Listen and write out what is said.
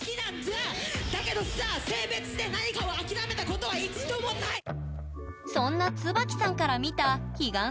だけどさ性別で何かを諦めたことは一度もないそんな椿さんから見た彼岸さんのラップは？